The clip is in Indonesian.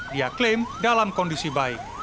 dia klaim dalam kondisi baik